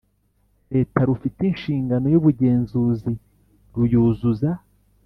Leta rufite inshingano y ubugenzuzi ruyuzuza